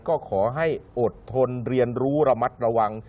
ก็ขอให้อดทนเรียนรู้ระมัดระวัง